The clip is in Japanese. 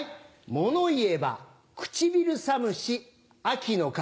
物言えば唇寒し秋の風。